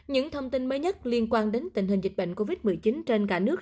những thông tin mới nhất liên quan đến tình hình dịch bệnh covid một mươi chín trên cả nước